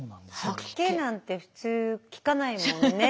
吐き気なんて普通聞かないもんね。